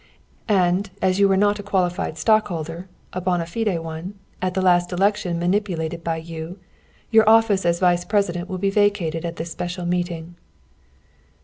"And, as you were not a qualified stockholder (a bona fide one) at the last election manipulated by you, your office as vice president will be vacated at this special meeting."